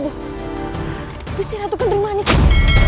aku tidak akan memaafkan